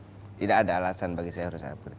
tidak ada alasan bagi saya harus update